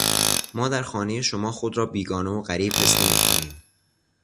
ما در خانهٔ شما خود را بیگانه و غریب حس نمیکنیم.